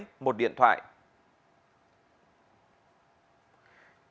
trong khi đối tượng phát hiện